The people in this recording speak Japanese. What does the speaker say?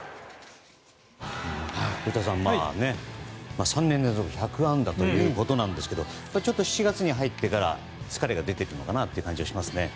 古田さん、３年連続１００安打ということですがちょっと７月に入ってから疲れが出てくるのかなと思いますね。